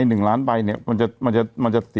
หนึ่งร้านร้านบาท